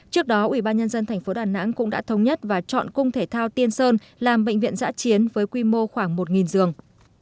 trước đó ubnd tp đà nẵng cũng đã thống nhất và chọn cung thể thao tiên sơn làm bệnh viện giã chiến với quy mô khoảng một giường